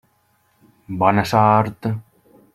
Bona sort!